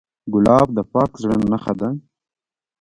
ګلاب د پاک زړه نښه ده.